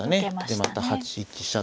でまた８一飛車と引いて。